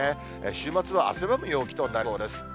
週末は汗ばむ陽気となりそうです。